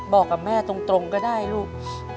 บอกกับแม่ตรงก็ได้ลูก